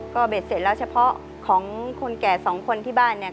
ก็เบ็ดเสร็จแล้วเฉพาะของคนแก่สองคนที่บ้านเนี่ย